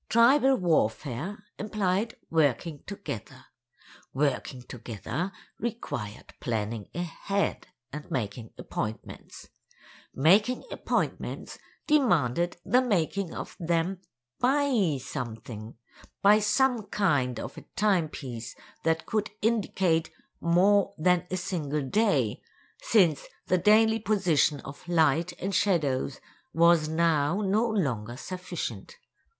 Tribal warfare implied working together; working together required planning ahead and making appointments; making appointments demanded the making of them by something—by some kind of a timepiece that could indicate more than a single day, since the daily position of light and shadows was now no longer sufficient.